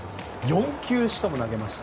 ４球、しかも投げました。